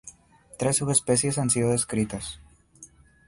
Tres subespecies han sido descritas.